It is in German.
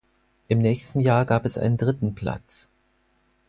Im nächsten Jahr gab es einen dritten Platz.